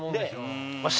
わし